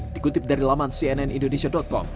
dikutip dari laman cnnindonesia com